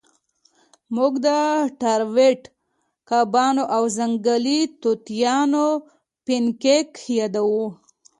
موږ د ټراوټ کبانو او ځنګلي توتانو پینکیک یادوو